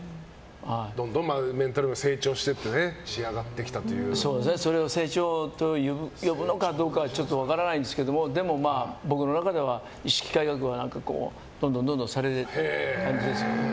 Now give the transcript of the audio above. どんどんメンタルが成長していってそれを成長と呼ぶのかどうかはちょっと分からないんですけどでも、僕の中では意識改革はどんどんされた感じですね。